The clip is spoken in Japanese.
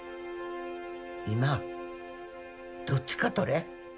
今どっちか取れ